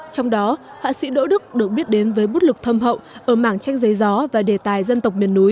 trong đó họa sĩ đỗ đức được biết đến với bút lục thâm hậu ở mảng tranh giấy gió và đề tài dân tộc miền núi